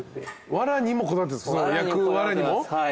わらにもこだわってます。